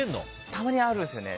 たまにあるんですよね。